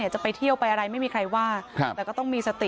จะไปเที่ยวไปอะไรไม่มีใครว่าแต่ก็ต้องมีสติ